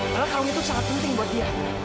karena kalung itu sangat penting buat dia